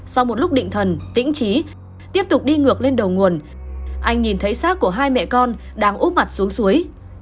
sau một lúc định thần tĩnh trí tiếp tục đi ngược lên đầu nguồn anh nhìn thấy xác của hai mẹ con đang úp mặt xuống suối